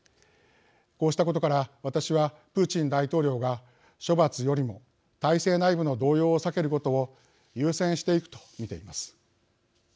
こうしたことから、私はプーチン大統領が処罰よりも体制内部の動揺を避けることを優先していくと見ています。